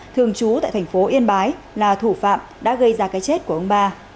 thường trú tại thành phố yên bái là thủ phạm đã gây ra cái chết của ông ba